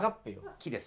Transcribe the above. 木です。